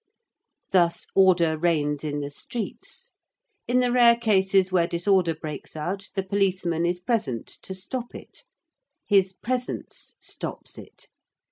Thus order reigns in the streets: in the rare cases where disorder breaks out the policeman is present to stop it. His presence stops it.